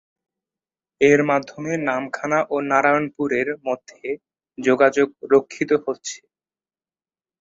এর মাধ্যমে নামখানা ও নারায়াণপুর-এর মধ্যে যোগাযোগ রক্ষিত হচ্ছে।